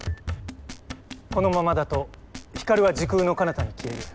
このままだとヒカルは時空のかなたに消える。